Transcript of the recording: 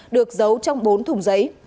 được giấu trong bốn thùng giấy